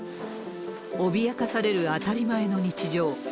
脅かされる当たり前の日常。